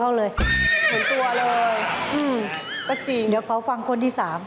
อืมก็จริงเดี๋ยวเขาฟังคนที่สาม